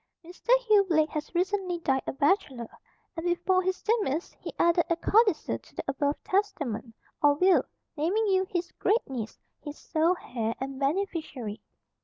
Mr. Hugh Blake has recently died a bachelor, and before his demise he added a codicil to the above testament, or will, naming you, his great niece, his sole heir and beneficiary.